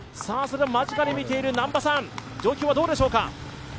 間近に見ている南波さん、状況はどうでしょうか？